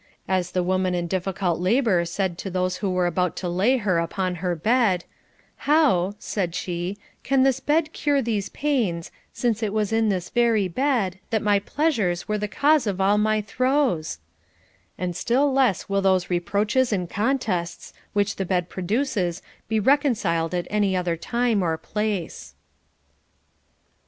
As the woman in diffi cult labor said to those that were about to lay her upon her bed ; How, said she, can this bed cure these pains, since it was in this very bed that my pleasures were the cause of all my throes \ And still less will those reproaches and contests which the bed produces be reconciled at any other time or place.